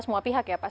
semua pihak ya pak